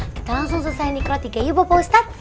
kita langsung selesai nikrotika yuk pak ustadz